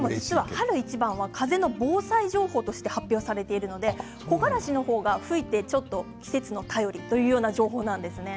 春一番は風の防災情報として発表されているので木枯らしの方が吹いてちょっと季節の便りという感じなんですね。